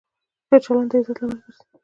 ښه چلند د عزت لامل ګرځي.